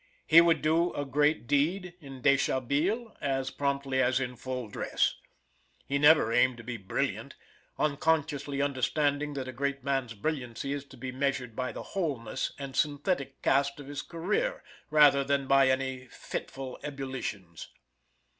He would do a great deed in deshabille as promptly as in full dress. He never aimed to be brilliant, unconsciously understanding that a great man's brilliancy is to be measured by the "wholeness" and synthetic cast of his career rather than by any fitful ebullitions.